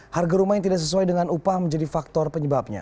harga rumah yang tidak sesuai dengan upah menjadi faktor penyebabnya